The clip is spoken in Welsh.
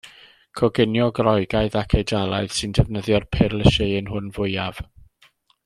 Coginio Groegaidd ac Eidalaidd sy'n defnyddio'r perlysieuyn hwn fwyaf.